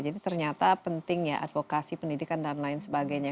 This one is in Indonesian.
jadi ternyata penting ya advokasi pendidikan dan lain sebagainya